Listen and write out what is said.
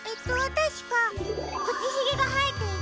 たしかくちひげがはえていて。